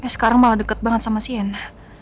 sekarang malah deket banget sama sienna